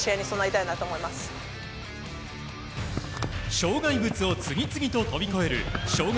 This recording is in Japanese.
障害物を次々と飛び越える障害